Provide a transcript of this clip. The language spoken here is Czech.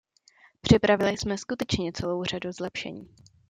Připravili jsme skutečně celou řadu zlepšení.